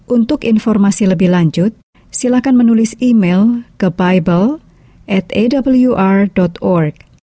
untuk informasi lebih lanjut silakan menulis email ke bible awr org